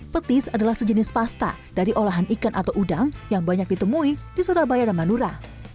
petis adalah sejenis pasta dari olahan ikan atau udang yang banyak ditemui di surabaya dan manura